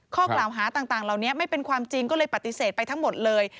ข้อกล่าวหาต่างเหล่านี้ไม่เป็นความจริงก็เลยปฏิเสธไปทั้งหมดเลย